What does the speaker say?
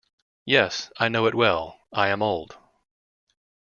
Yes, I know it well — I am old.